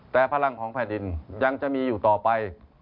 แต่พลังของแผ่นดินยังจะมีอยู่ต่อไป